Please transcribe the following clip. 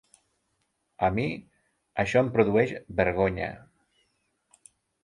A mi, això em produeix vergonya.